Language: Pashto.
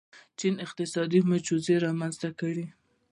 چین اقتصادي معجزه رامنځته کړې.